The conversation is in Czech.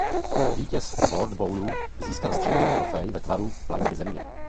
Vítěz World Bowlu získal stříbrnou trofej ve tvaru planety Země.